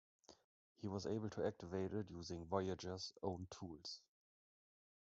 He was able to activate it using "Voyager"s own tools.